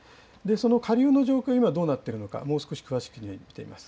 その下流の状況、今、どうなっているのか、もう少し詳しく見てみます。